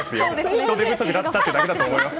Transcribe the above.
人手不足だったというだけだったと思います。